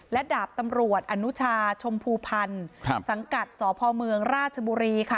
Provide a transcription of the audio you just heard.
และดาบตำรวจอนุชาชมพูพันธ์สังกัดสพเมืองราชบุรีค่ะ